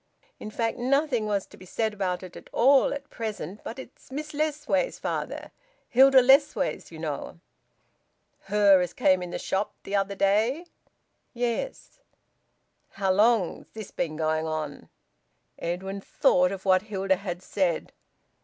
In fact, nothing was to be said about it at all at present. But it's Miss Lessways, father Hilda Lessways, you know." "Her as came in the shop the other day?" "Yes." "How long's this been going on?" Edwin thought of what Hilda had said.